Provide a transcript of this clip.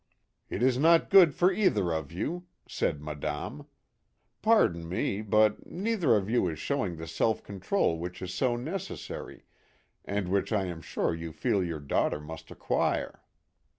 " It is not good for either of you," said Madame ;" pardon me but neither of you is showing the self controJ "MISSMILLY. in which is so necessary, and which I am sure you feel your daughter must acquire."